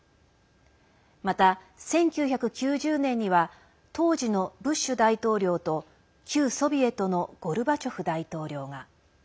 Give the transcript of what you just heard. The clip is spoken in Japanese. また１９９０年には当時のブッシュ大統領と旧ソビエトのゴルバチョフ大統領が。